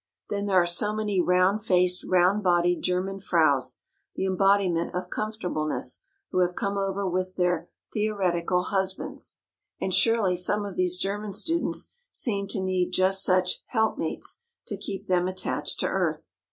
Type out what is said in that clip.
Then there are so many round faced, round bodied German fraus, the embodiment of comfortableness, who have come over with their theoretical husbands. And surely some of these German students seem to need just such "help mates" to keep them attached to earth.